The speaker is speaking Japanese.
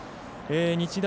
日大